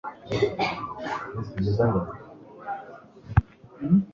nzaba Imana yabo nabo bazaba ubwoko bwanjye".»